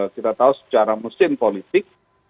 kita tahu secara mesin politik